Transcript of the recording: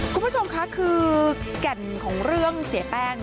คุณผู้ชมคะคือแก่นของเรื่องเสียแป้ง